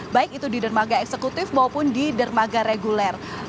baik itu di dermaga eksekutif maupun di dermaga reguler